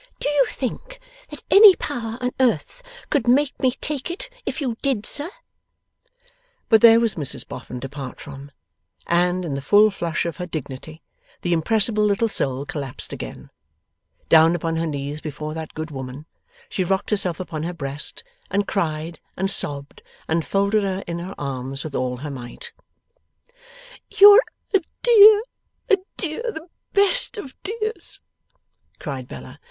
'Do you think that any power on earth could make me take it, if you did, sir?' But there was Mrs Boffin to part from, and, in the full flush of her dignity, the impressible little soul collapsed again. Down upon her knees before that good woman, she rocked herself upon her breast, and cried, and sobbed, and folded her in her arms with all her might. 'You're a dear, a dear, the best of dears!' cried Bella.